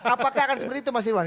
apakah akan seperti itu mas iwan